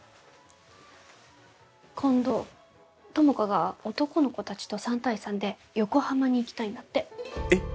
今度友果が男の子達と３対３で横浜に行きたいんだってえっ？